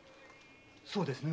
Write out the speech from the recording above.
そうですね？